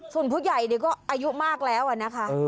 ส่วนผู้ใหญ่ก็อายุมากแล้วนะคะ